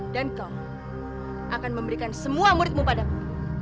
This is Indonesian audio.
dan kau akan memberikan semua muridmu padaku